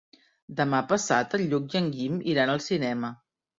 Demà passat en Lluc i en Guim iran al cinema.